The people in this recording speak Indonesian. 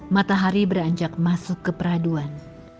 matahari beranjak masuk ke peraduan